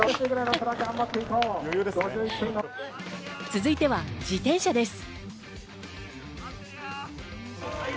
続いては自転車です。